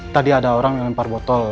tadi ada orang yang lempar botol